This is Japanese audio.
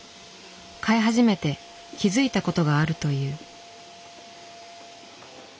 飼い始めて気付いたことがあるという。